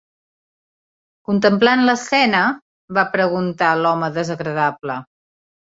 "Contemplant l'escena?" -va preguntar l'home desagradable.